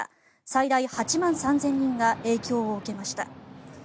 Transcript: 最大８万３０００人が影響を受けました。